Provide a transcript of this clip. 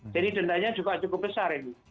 jadi dendanya juga cukup besar ini